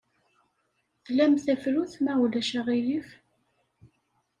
Tlam tafrut, ma ulac aɣilif?